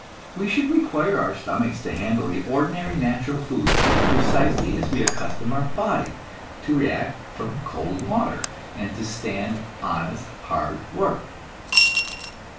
We should require our stomachs to handle the ordinary natural foods, precisely as we accustom our body to react from cold water, and to stand honest hard work.